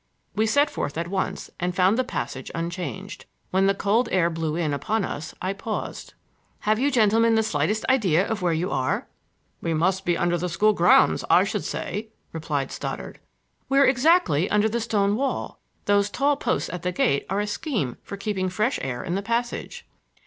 We set forth at once and found the passage unchanged. When the cold air blew in upon us I paused. "Have you gentlemen the slightest idea of where you are?" "We must be under the school grounds, I should say," replied Stoddard. "We're exactly under the stone wall. Those tall posts at the gate are a scheme for keeping fresh air in the passage."